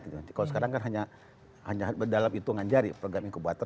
kalau sekarang kan hanya dalam hitungan jari program inkubator